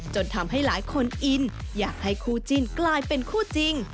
จนทำให้หลายคนอินอยากให้คู่จิ้นกลายเป็นคู่จริง